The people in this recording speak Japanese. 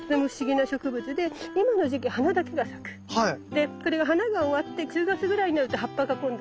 でこれが花が終わって１０月ぐらいになると葉っぱが今度は生えてきて